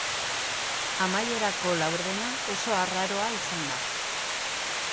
Amaierako laurdena oso arraroa izan da.